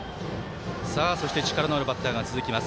そして、力のあるバッターが続きます。